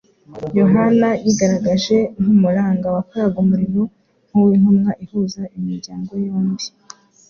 Yohana yigaragaje nk’umuranga wakoraga umurimo nk’uw’intumwa ihuza imiryango yombi,